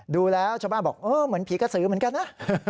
ดูแล้วชาวบ้านบอกเออเหมือนผีกระสือเหมือนกันนะ